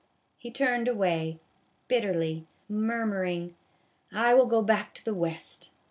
He turned away, bitterly, murmur ing, " I will go back to the West.